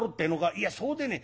「いやそうでねえ。